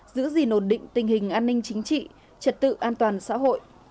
giữ gìn ổn định tình hình an ninh chính trị trật tự an toàn xã hội